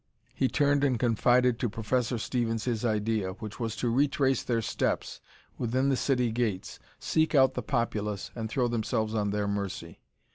He turned and confided to Professor Stevens his idea, which was to retrace their steps within the city gates, seek out the populace and throw themselves on their mercy.